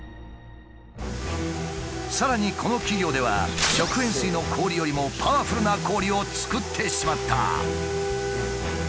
さらにこの企業では食塩水の氷よりもパワフルな氷を作ってしまった。